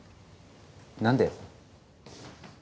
何で？